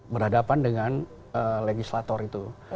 berhadapan dengan legislator itu